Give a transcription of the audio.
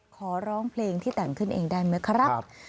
ขอร้องเพลงที่แต่งขึ้นเองได้ไหมครับ